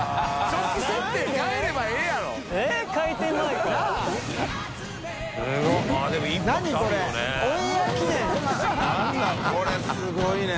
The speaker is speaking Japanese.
燭覆これすごいね。